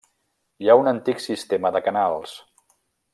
Hi ha un antic sistema de canals.